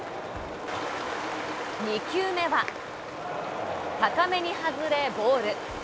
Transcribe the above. ２球目は高めに外れボール。